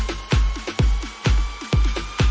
อีกกรณีนึง